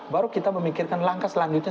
baru kita memikirkan langkah selanjutnya